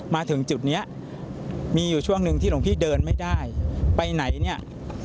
มาถึงจุดเนี้ยมีอยู่ช่วงหนึ่งที่หลวงพี่เดินไม่ได้ไปไหนเนี่ย